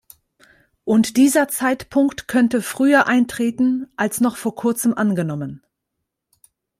Und dieser Zeitpunkt könnte früher eintreten als noch vor kurzem angenommen.